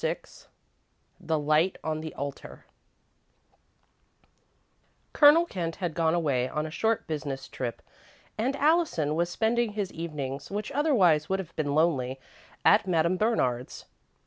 VI THE LIGHT ON THE ALTAR Colonel Kent had gone away on a short business trip and Allison was spending his evenings, which otherwise would have been lonely, at Madame Bernard's.